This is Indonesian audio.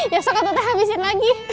ya sokat tuh teh habisin lagi